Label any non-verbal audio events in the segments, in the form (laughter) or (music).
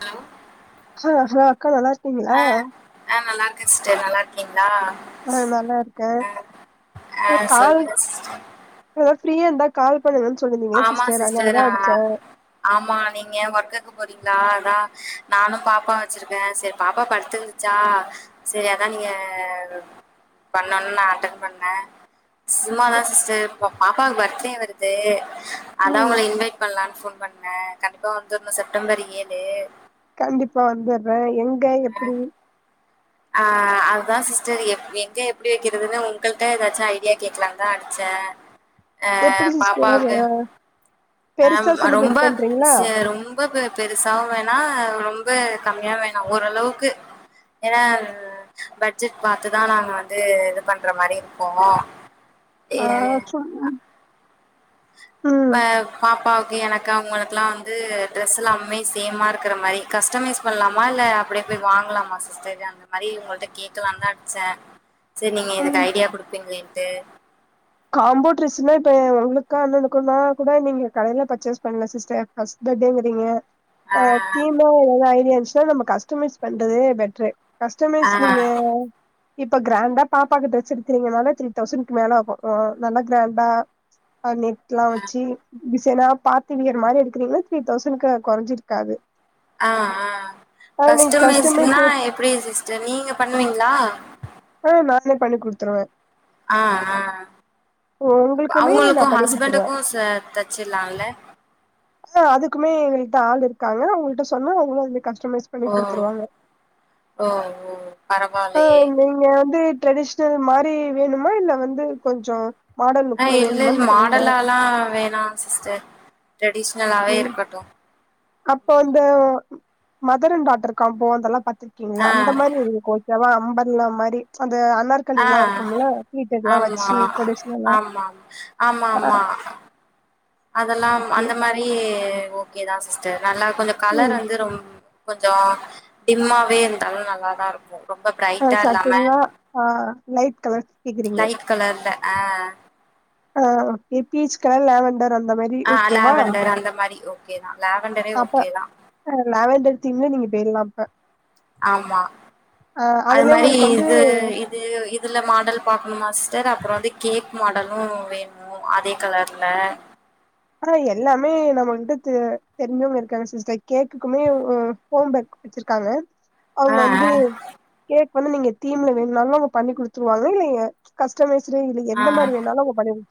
Hello (unintelligible) அ அ நல்லாருக்கே sister நல்லாருக்கீங்களா அ நல்லாருக்கே ஆ கால் சொல்லுங்க சிஸ்டர் அதா ஃப்ரீயா இருந்தா கால் பண்ணுங்கன்னு சொல்லிருந்தீங்களே ஆமா சிஸ்டர் அதனால தா ஆ அடிச்சே ஆமா நீங்க ஒர்க்குக்கு போறீங்களா அதா நானு பாப்பா வச்சிருக்கே சரி பாப்பா படுத்து ச்சா சரி அதா நீங்க பண்ணனு நா அட்டன் பண்ணே சும்மாதா சிஸ்டர் இப்ப பாப்பாவுக்கு பர்த்டே வருது அதா ம் ஒங்கள இன்வைட் பண்லான்னு போன் பண்ணே கண்டிப்பா வந்துரணு செப்டம்பர் ஏழு கண்டிப்பா வந்துர்றே எங்க எப்டி அ அதுதா சிஸ்டர் எப் எங்க எப்டி வக்கிறதுன்னு உங்கள்ட்ட ஏதாச்சு ஐடியா கேக்கலான்னு தான் அடிச்சே அ எப்டி சிஸ்டர் பாப்பாவுக்கு அ பெருசா அ செலிப்ரேட் ரொம்ப பண்றீங்களா ச ரொ ரொம்ப பெ பெருசாவு வேணா ரொம்ப கம்மியா வேணா ஓரளவுக்கு ஏன்னா பட்ஜெட் பாத்துதா நாங்க வந்து இது பண்ற மாரி இருப்போ அ சும் ம் இப்ப பாப்பாவுக்கு எனக்கு அவங்களுக்கெல்லா வந்து ட்ரெஸ் எல்லாம்மே சேமா இருக்கற மாரி கஸ்டமைஸ் பண்ணலாமா இல்ல அப்டியே போய் வாங்கலாமா சிஸ்டர் அந்த மாரி ஒங்கள்ட்ட கேக்கலா தா அடிச்சே சேரி நீங்க இதுக்கு ம் ஐடியா குடுப்பீங்களேன்ட்டு காம்போ ட்ரெஸ்னா இப்ப உங்களுக்கா அண்ணனுக்கும்னா கூட நீங்க கடையில பர்ச்சேஸ் பண்ணுங்க சிஸ்டர் (unintelligible) அ தீமே ஏதாது ஐடியா இருந்துச்சுன்னா நம்ம கஸ்டமைஸ் பண்றதே பெட்ரு கஸ்டமைஸ் நீங்க இப்ப கிராண்டா பாப்பாக்கு ட்ரெஸ் எடுத்தீங்கனால த்ரீ தௌசண்ட்க்கு மேலே ஆகு அ நல்ல கிராண்ட்டா அ நெக்லா வச்சி டிசைன்னா பாத்து வியர் மாரி எடுக்கறீங்கன்னா த்ரீ தௌசண்ட்க்கு கொறஞ்சி இருக்காது அ அ கஸ்டமைஸ் கஸ்டமைஸ்க்னா எப்டி சிஸ்டர் நீங்க பண்ணுவீங்களா ஓ நானே பண்ணி குடுத்துருவே ஆ ஆ உங்களுக்குமே நா அவுங்களுக்கு பண்ணி குடுத்துருவே ஹஸ்பண்டுக்கு சே தெச்சிர்லால்ல ஆ அதுக்குமே எங்ககிட்ட ஆள் இருக்காங்க அவங்கள்ட்ட சொன்னா அவங் வந்து கஸ்டமைஷ் ஓ ஓ ஓ ஆ பரவாலையே நீங்க வந்து ட்ரெடிஷ்னல் மாரி வேணுமா இல்ல வந்து கொஞ்சோ மாடன் ஆ லுக்ல இல்லல் வேணுமான்னு சொல்லுங்க மாடலாலா வேணா சிஸ்டர் ட்ரெடிஷ்னலாவே ம் இருக்கட்டு அப்போ வந்து மதர் அண்ட் டாட்டர் காம்போ அதெல்லா பாத்திருக்கீங்ளே அந்த ஆ மாரி உங்களுக் ஓகேவா அம்பர்லா மாரி அந்த அனார் ஆ கலில்லா இருக்கும்ல ஃப்ளீட்டெட்லா ஆமா வச்சு ட்ரெடிஷ்னலா ஆமாம் ஆ ஆமாமா. அதெல்லாம் ஓகே அந்த மாரி ஓகேதா சிஸ்டர் நல்லா கொஞ்சோ கலர் ம் வந்து ரொம் கொஞ்சோ டிம்மாவே இர்ந்தாலு நல்லாதா இருக்கு ரொம்ப ஆ ப்ரைட்டா இல்லாம சட்டில்லா ஆ லைட் கலர் கேக்குறீங்க லைட் கலர்ல ஆ ஆ அ பீச் கலர், லேவண்டர் அந்த மாரி ஆ ஓகேவா லேவண்டர் அந்த மாரி ஓகேதா லேவண்டரே அப்ப ஓகேதா ஆ லேவண்டர் தீமே நீங்க போய்ர்லா அப்ப ஆமா ஆ அது அதுலயே மாரி உங்களுக்கு வந்து இது இப் இது இதுல மாடல் பாக்கணுமா சி்ஸ்டர் அப்றோ வந்து கேக் மாடலு வே ணு அதே கலர்ல அ எல்லாமே நம்மகிட்ட து தெரிஞ்சவுங்க இருக்காங்க சிஸ்டர் கேக்குக்குமே ம் ஹோம் பேக் வெச்சிர்க்காங்க அவுங்க ஆ ஆ வந்து கேக் வந்து நீங்க தீம்ல வேண்னாலு அவுங்க பண்ணி குடுத்துருவாங்ளா இல்ல கஸ்டமைஸ்டு இல்ல எந்த ஆ. மாரி வேண்னாலு அவுங்க பண்ணி குடு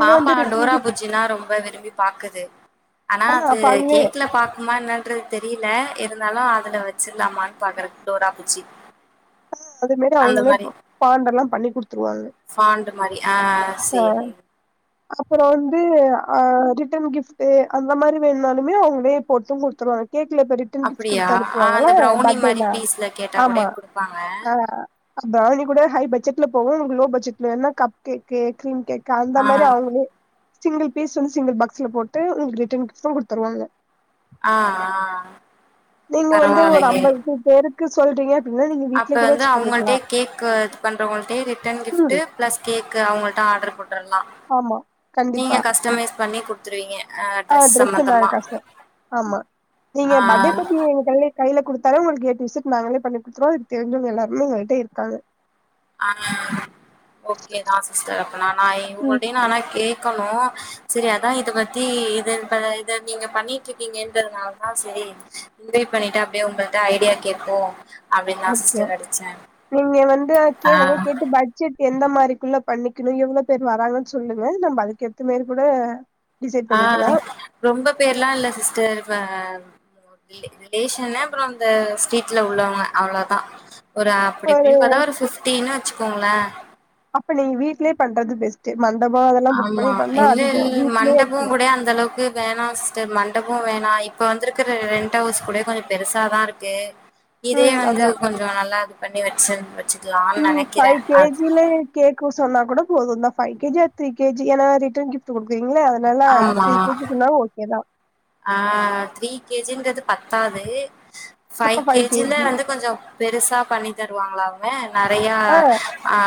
பாப்பா டோரா பூஜ்ஜினா ரொம்ப விரும்பி பாக்குது ஆனா ஆ அது அப்ப அதுவே கேக்ல பாக்குமா என்னன்றது தெரியில இருந்தாலு அதுல வெச்சிர்லாமான் பாக்கறே டோரா பூஜ்ஜி அ அது மாரி அவுங்ளே ப பாண்டெல்லா பண்ணி குடுத்துருவாங்க ஃபாண்டு மாரி ஆ சேரி அப்பறோ வந்து அ ரிட்டன் கிஃப்ட்டு அந்த மாரி வேண்னாலுமே அவுங்ளே போட்டு குடுத்துருவாங் கேக்ல பெரிப் அப்பிடியா ஆ அந்த ப்ரவுனி மாரி பீஸ்ல கேட்டா ஆமா கூடயு குடுப்பாங்க ஆ அ ப்ரவுனி கூட ஹை பட்ஜெட்ல போவு உங்ளுக் லோ பட்ஜெட்ல வேண்னா கப் கேக்கு, க்ரீம் கேக் கு அந்த ஆ மாரி அவுங்ளே சிங்கிள் பீஸ் வந்து சிங்கிள் பாக்ஸ்ல போட்டு உங்ளுக்கு ரிட்டன் கிஃப்ட்டு குடுத்துருவாங்க ஆ ஆ நீங்க வந்து ஒரு பரவால்லயே அம்பது, நூர் பேருக் க்கு சொல்றீங்க அப்பிட்ன்னா நீங்க அப்ப வீட்லயே கூட வந்து வச்சு பண்ணிக்கலா அவங்கள்ட்டே கேக்கு இது பண்றவங்கள்ட்டே ரிட்டன் ம் கிஃப்ட்டு ப்ளஸ் கேக்கு அவங்கள்ட்ட ஆட்ரு போட்றலா ஆமா நீங்க கண்டிப்பா கஸ்டமைஸ் பண்ணி குட்த்துருவீங்க ஆ ட்ரஸ் ட்ரெஸ் எல்லா சம்மந்தமா காசு ஆமா நீங்க பர்டே பார்ட்டி எங்க (unintelligible) லே கைல குடுத்தாலே உங்கள்க்கு ஏ டு ஜெட் நாங்ளே பண்ணி குடுத்துருவோ இது தெரிஞ்சவ்ங்க எல்லாருமே எங்ககிட்ட இருக்காங்க ஆ ஓகேதா சிஸ்டர் அப்ப நா நா ம் இவுங்கள்ட்டயு நா ஆனா கேக்கணு செரி அதா இது பத்தி இது ப இத நீங்க பண்ணிட்ருக்கீங்கன்றதுனால தா செரி முடிவு பண்ணிட்டு அப்டியே உங்கள்ட்ட ஐடியா கேப்போ அப்டின்தா ஓகே சிஸ்டர் அடிச்சே நீங்க வந்து ஆ கேளுங்க கேட்டு பட் ஜெட் எந்த மாரிக்குள்ள பண்ணிக்கணு எவ்வளோ பேர் வராங்கன் சொல்லுங்க நம்ம அதுக்கு ஏத்த மாரி கூட டிசைட் ஆ பண்ணிக்கலா ரொம்ப பேர்லா இல்ல சிஸ்டர் இப்ப ஒ ரிலே ரிலேஷன்லா அப்ற இந்த ஸட்ரீட்ல உள்ளவ்ங்க அவ்ளோதா ஒரு அப்டி இப்டின் கூட ஒரு ஃபிஃப்டின்னு வச்சுக்கோங்களே அப்ப நீங்க வீட்லே பண்றது பெஸ் ட்டு மண்டப அதெல் ஆமா இல்லல்ல மண்டப கூட அந்த அளவுக்கு வேணா சிஸ் ஸ்டர் மண்டபோ வேணா இப்ப வந்திருக்கிற ரெண்ட் ஹவுஸ் கூட கொஞ்ச பெருசாதா இருக்கு இதே ம் வந்து அதா கொஞ்ச நல்லா இது பண்ணி வச்சிருந்து வச்சு வச்சுக்கலான்னு ம் நெனைக்கிறே ஃபைவ் கே அது ஜி லே கேக்கு சொன்னா கூட போதந்தா five K G or three K G ஏனா ரிட்டன் கிஃப்ட் குடுக்குறீங்கல நல்லா ஆமா த்ரீ கே ஜி க்குன்னாலு ஓகே தா ஆ த்ரீ கே ஜி ன்றது பத்தாது அப்ப ஃபைவ் கே ஜி ல கேஜி வந்து கொஞ்ச பெருசா பண்ணி தருவாங்களாங்க நெறையா ஆ ஆ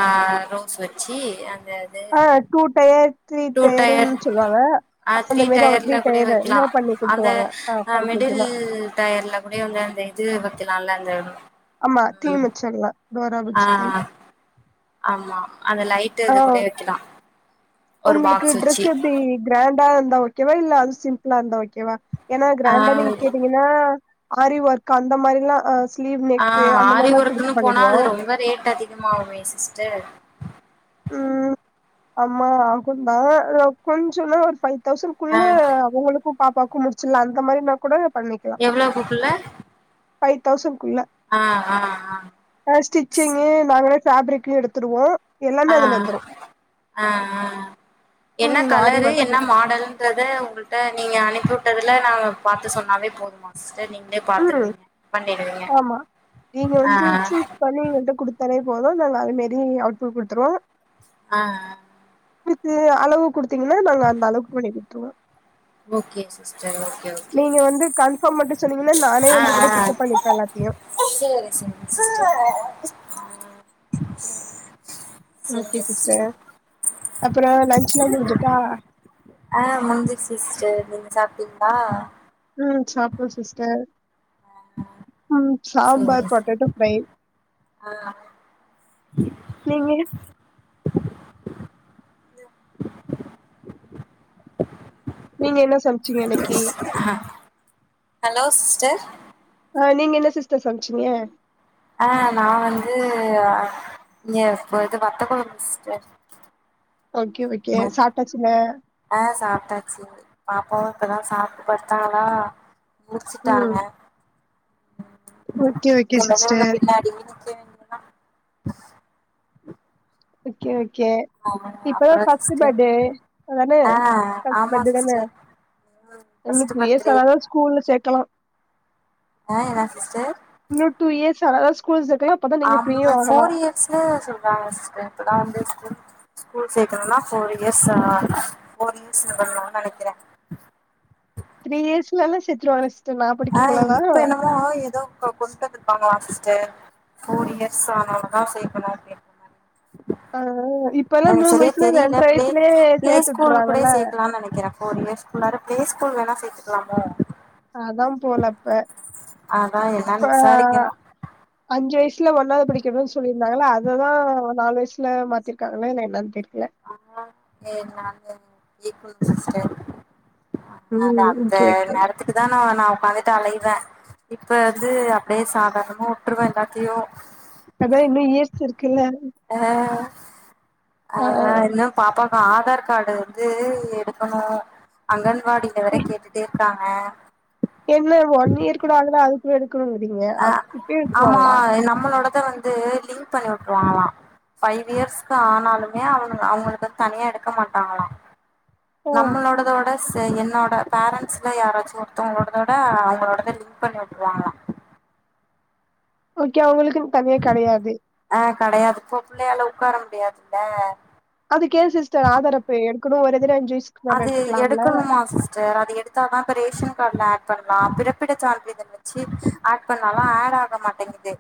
ரோஸ் வெச்சு அந்த இது ஆ two tiers three two tier டயருன் சொல்லுவாங்க ஆ அந்த த்ரீ மாரி அவங்க டயர்ல த்ரீ டயருல இன்ன பண்ணி குடுத்துருவாங்க ஆ ஆ ஃபைவ் மிடில் கேஜினா டயர்ல கூட வந்து அந்த இது வக்கெலால அந்த ஆமா டீ மிச்சர்லா ஆ ஆமா அந்த லைட்டு அது கூடயே வெக்கலா ஒங்களுக்கு ட்ரெஸ் எப்டி கிராண்டா இருந்தா ஓகேவா இல்ல அது சிம்பிளா இருந்தா ஓகேவா ஏனா ஆ கிராண்டா நீங்க கேட்டீங்கனா ஆரி ஒர்க் அந்த மாரிலா ஆ ச ஆ ஆரி ஒர்க்குன்னு போனா அது ரொம்ப ரேட் அதிகமாவுமே சிஸ்டர் ம் ஆமா ஆகுந்தா நா கொஞ்சமா ஒரு ஃபைவ் தௌசண்ட்க்குள்ள ஒங்களுக்கு பாப்பாவுக்கு முடிச்சிட்லா அந்த மாரினா கூட பண்ணிக்கலா எவ்வளவுக்குள்ள ஃபைவ் தௌசண்ட்க்குள்ள ஆ ஆ ஆ அ ஸ்டிச்சிங்கு நாங்களே ஃபேப்ரிக்கு எடுத்துருவோ எல்லாமே ஆ அதுல வந்துரு ஆ ஆ என்ன ம் ஆரி கலரு என்ன ஒர்க்குமே மாடல் ன்றத உங்கள்ட்ட நீங்க அனுப்பி வுட்டதுல நாங்க பாத்து சொன்னாவே போதுமா சிஸ்டர் நீங்க ம் ஆமா நீங்க வந்து ஆ சூஸ் பண்ணி எங்கள்ட்ட குடுத் தாலே போது நாங்க அது மாரி அவுட்புட் குடுத்துருவோ ஆ ஆ வித்து அளவு குடுத்தீங்கனா நாங்க அந்த அளவுக்கு பண்ணி குடுத்துருவோ ஓகே சிஸ்டர் ஓகே ஓக் நீங்க வந்து கன்ஃபார்ம் மட்டு சொன்னீங்கனா நானே ஆ வந்து கூட பிக்கப் பண்ணிருப்பே எல்லாத்தையு சேரி சேரிங்க சிஸ்டர் ஓகே சிஸ்டர் அப்பற லஞ்ச்சுலா முடிஞ்சிட்டா ஆ முடிஞ்சிருச்சு சிஸ்டர் நீங்க சாப்ட்டீங்ளா ம் சாப்ட்டோ சிஸ்டர் ம் சேரி சாம்பார் சிஸ்டர் பொட்டேட்டோ ஃப்ரை நீங்க நீங்க என்ன சம் ஹலோ சிஸ்டர் ஆ நீங்க என்ன சிஸ்டர் சமச்சீங்க ஆ நா வந்து எ (unintelligible) வத்த கொழம்பு சிஸ்டர் ஓகே ஓகே சாப்டாச்சா இல்ல ஆ சாப்டாச்சு பாப்பாவு இப்பதா சாப்புட்டு படுத்தாளா ம் முடுச்சுட்டாங்க ஓகே ஓகே இல்லனா அங்க சிஸ்டர் பின்னாடி இடிக்கு ஓகே ஓகே ஆ இப்பதா அப்றோ ஃபஸ்ட்டு சிஸ்டர் போட்டே அதானே ஆ ஃபஸ்ட் ஆமா போட்டே தான சிஸ்டர் ம் இவளுக்கு ஃபஸ்ட்டு த்ரீ இயர்ஸ் பர்த்டே ஆனாதா ஸ்கூல்ல சேக்கலா ஆ என்ன சிஸ்டர் இன்னு டூ இயர்ஸ் ஆனாதா ஸ்கூல் சேக்கலா அப்பதா நீங்க ஃப்ரீயு ஆகலா ஸ்சா சொல்றாங்க சிஸ்டர் இப்பதா வந்துருச்சு ஸ்கூல் சேக்கணுன்னா ஃபோர் இயர்ஸ்ஸா ஃபோர் இயர்ஸ் இது பண்ணனுன் நெனைக்கிற த்ரீ இயர்ஸ் எல்லா சேத்துருவாங்க சிஸ் ஆ இப்ப என்னமோ எதோ இப்போ கொண்டு வந்துருக்காங்களா சிஸ்டர் ஃபோர் இயர்ஸ் ஆனாதா சேக்கணு அப்டின் ஆ இப் எனக்கு செரியா தெரியல பிளே பிளே சேத்து ஸ்கூல் கூடே விட்டுறாங்கல்ல சேக்கலான் நெனைக்கிற ஃபோர் இயர்ஸ் குள்ளார பிளே ஸ்கூல் வேணா சேத்துக்கலாமோ அதாம் போல அப்ப அதா இப்ப என்னன்னு விசாரிக்கணு அஞ்சு வயிசுல ஒன்னாவது படிக்கணுன் சொல்லிருந்தாங்கள அதுதா நாலு வயிசுல மாத்திருக்காங்களா இல்ல என்னன் தெரியல ஆ (inaudible) இக்குங் சிஸ்டர் ஆ அத ம் அந்த ஓகே ஓகே நேரத் த்துட்டுதா நா நா உக்காந்துட்டு அழைவ இப்ப வந்து அப்பயே சாதாரணமா உட்டுருவ எல்லாத்தையு அதா இன்னு இயர்ஸ் இருக்குல்ல ஆ ஆ இன்னு பாப்பாவுக்கு ஆதார் காடு வந்து எடுக்கணு அதான் வாடில வேற கேட்டுட்டே இருக்காங்க என்ன ஒன் இயர் கூட ஆகல அது குள்ள எடுக்கணுங்கிறீங்க அப் இப்பயே எடுக்குவாங்களா எ நம்மளோட இதுல வந்து லிங்க் பண்ணி உட்டுருவாங்களா ஃபைவ் இயர்ஸ்க்கு ஆனாலுமே அவங்க அவங்களுக்கு தனியா எடுக்க மாட்டாங்களா ஆ நம்மளோட தோடஸ் என்னோட பேரண்ட்ஸ்ல யாராச்சு ஒருத்தவங்களோடதோட அவங்களோடத லிங்க் பண்ணி உட்டுருவாங்களா ஓகே அவங்களுக்குன் தனியா கெடையாது ஆ கெடையாது இப்போ புள்ளையால உக்கார முடியாதுல்ல அதுக்கு ஏ சிஸ்டர் ஆதார் அப்ப எடுக்குனு ஒரு தடவ அஞ்சு வயிஸ் அது எடுக்கணுமா சிஸ்டர் அது எடு த்தாதா இப்ப ரேஷன் காடுல ஏட் பண்லா பிறப்பிட சான்றிதழ் வெச்சு ஏட் பண்ணாலா ஏடு ஆக மாட்டேங்குது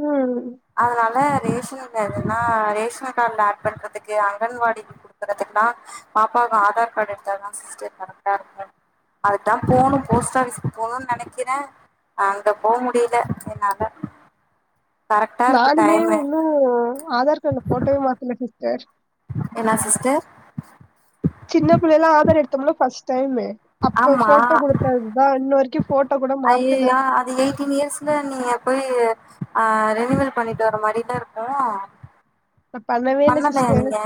ம் அதனால ரேஷன்னுதுலதா ரேஷன் காடுல ஏட் பண்றதுக்கு அங்கன்வாடி குடுக்கறதுக்கெல்லா பாப்பாவ ஆதார் காடு எடுத்தாதா சிஸ்டர் கரெக்டா இருக்கு அதுக்குதாம் போனும் போஸ்ட் ஆஃபிஸ்க்கு போனுன் நெனைக்கிற அங்க போ முடில என்னால நானுமே இன்னு ஆதார் காடுல போட்டோவே மாத்துல சிஸ்டர் என்ன சிஸ்டர் சின்ன புள்ளைல்லா ஆதார் எடுத்தோம்ல ஃபர்ஸ்ட் டைமு அப்போ போட்டோ ஆமாம் குடுத்ததுதா இன்ன வரைக்கு போட்டோ கூட மாத்தல ஐயோ அது எய் டீன் இயர்ஸ்ல நீங்க போய் அ ரெனிவல் பண்ணிட்டு வர மாரிதா இருக்கு நா பண்ணவே இல்ல பண்ணலைய சிஸ்டர் நீங்க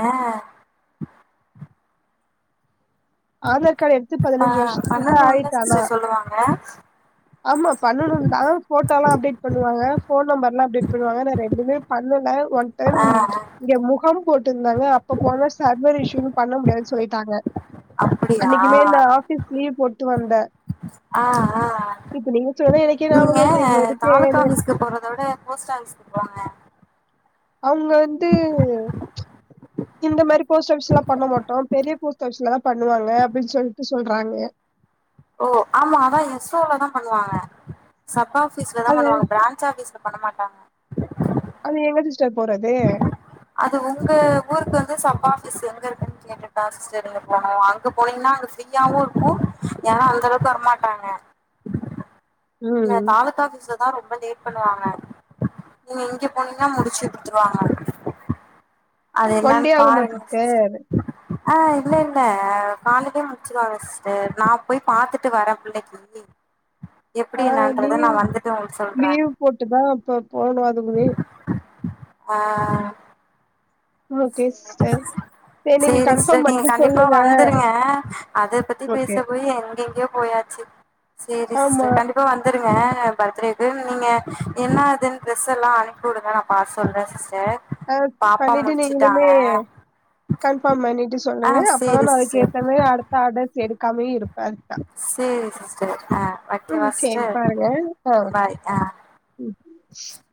ஆதார் கார்டு எடுத்து ப பதினஞ்சு வருஷத்துக்கிட்ட பண்ணணும்ல ஆயிட்டானா சிஸ்டர் சொல்லுவாங்க ஆமா பண்ணணுன்னு தா போட்டோ எல்லா அப்டேட் பண்ணுவாங்க போன் நம்பர் லா அப்டேட் பண்ணுவாங்க நா ரெண்டுமே பண்ணல ஒன் டைம் ஆ அ இங்க முகாம் போட்டுருந்தாங்க அப்ப போனா சர்வர் இஷீயுஸ்ன்னு பண்ண முடியாது சொல்லிட்டாங்க அப்படியா அன்னைக்குமே நா ஆபீஸ் லீவ் போட்டு வந்தே ஆ ஆ சொன்னா எனக்கே நீங்க ஞாபகம் வருது இவ்ளோ தாலுக் இருக்கேன்னு ஆபீஸ்க்கு போறத விட போஸ்ட்டாபிஸ்க்கு போங்க அவ்ங்க வந்து இந்த மாரி போஸ்ட் ஆபிஸ் லா பண்ண மாட்டோ பெரிய போஸ்ட் ஆபிஸ்லத பண்ணுவாங்க அப்டின்னு சொல்லிட்டு சொல்றாங்க ஓ ஆமா அதா எஸ் ஓல தா பண்ணுவாங்க சப் ஆபீஸ்ல தா அது பண்ணுவாங்க பிராஞ்ச் ஆபீஸ்ல பண்ண மாட்டாங்க அது எங்க சிஸ்டர் போறது அது உங்க ஊருக்கு வந்து சப் ஆபிஸ் எங்க இருக்குன்னு கேட்டுதா சிஸ்டர் நீங்க போனு அங்க போனீங்னா ப்ரீயாவு இருக்கு யேனா அந்த அளவுக்கு வரமாட்டாங்க (inaudible) இல்ல தாலுக்கா ஆபீஸ்ல தா ரொம்ப லேட் பண்ணுவாங்க நீங்க இங்க போனீங்கன்னா முடிச்சு த்துருவாங்க அது ஒன் என்னனு டே ஆகுமா பாருங்க பஸ் சிஸ்டர் ஆ இல்ல இல்ல காலைலே முச்சுருவாங்க சிஸ்டர் நா போய் பாத்துட்டு வரே பிள்ளைக்கி எப்புடி என்னான்றத நா வந்துட்டு உங்களுக்கு சொல்ற போட்டு தா ப்ப போணோ அதுக்குனே ஆ ஓகே சிஸ்டர் சரி நீங்க சேரி கன்ஃபார்ம் சிஸ்டர் நீங்க பண்ணிட்டு கண்டிப்பா சொல்லுங்க வந்துருங்க அத பத்தி பேச ஓகே போயி எங்கெங்கயோ போயாச் சி சேரி ஆமா சிஸ்டர் கண்டிப்பா வந் துருங்க பர்த்டேக்கு நீங்க என்னாதுன்னு ட்ரெஸ் எல்லா அனுப்பி விடுங்க நா பாத் சொல்றே சிஸ்டர் ஆ பாப்பா பண்ணிட்டு நீங்ளே மே முழிச்சுட்டாங்க கன்ஃபாம் பண்ணிட்டு ஆ சொல்லுங்க அப்பதா சேரி நா சிஸ்டர் அதுக்கேத்த மாரி அடுத்த ஆடர்ஸ் எடுக்காமே இரு அத்தா சேரி சிஸ்டர் ஆ வைக்கவா ம் சேரி சிஸ்டர் பாருங்க ஆ ஓகே பாய் ஆ ம்